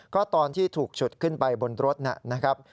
ก็ตอนที่ถูกฉุดขึ้นไปบนรถนะครับ